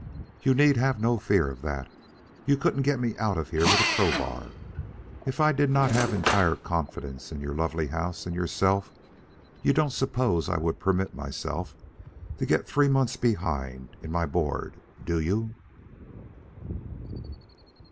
"You need have no fear of that. You couldn't get me out of here with a crow bar. If I did not have entire confidence in your lovely house and yourself, you don't suppose I would permit myself to get three months behind in my board, do you?"